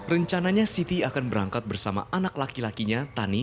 rencananya siti akan berangkat bersama anak laki lakinya tani